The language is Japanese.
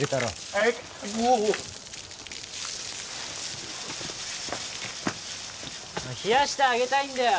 おおっ冷やしてあげたいんだよ